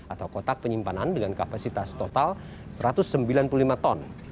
atau kotak penyimpanan dengan kapasitas total satu ratus sembilan puluh lima ton